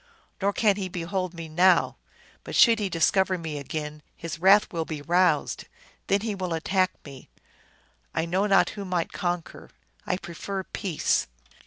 Nor can he behold me now ; but should he discover me again, his wrath will be roused. Then he will attack me ; I know not who might conquer. I prefer peace."